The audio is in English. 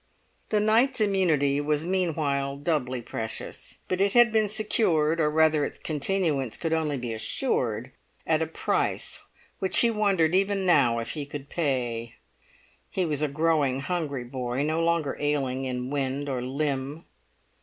The night's immunity was meanwhile doubly precious; but it had been secured, or rather its continuance could only be assured, at a price which he wondered even now if he could pay. He was a growing, hungry boy, no longer ailing in wind or limb.